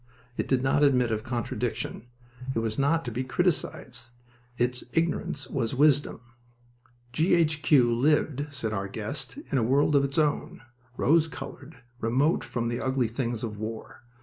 It did not admit of contradiction. It was not to be criticized. Its ignorance was wisdom. G. H. Q. lived, said our guest, in a world of its own, rose colored, remote from the ugly things of war.